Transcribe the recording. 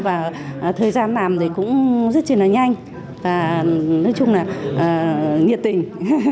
và thời gian làm thì cũng rất là nhanh và nói chung là nhiệt tình